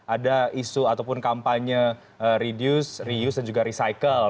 ada isu ataupun kampanye reduce reuse dan juga recycle